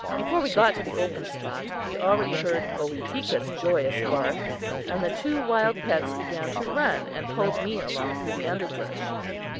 Before we got to the open spot, we already heard Ohitika's joyous bark, and the two wild pets began to run, and pulled me along through the underbrush.